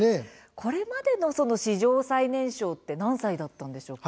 これまでの史上最年少って何歳だったんですか。